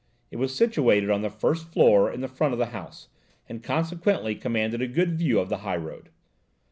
It was situated on the first floor in the front of the house, and consequently commanded a good view of the high road.